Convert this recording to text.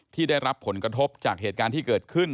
ที่ได้รับผลกระทบจากเหตุการณ์ที่เกิดขึ้น